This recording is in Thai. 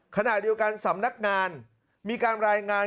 ขณะเดียวกันสำนักงานมีการรายงาน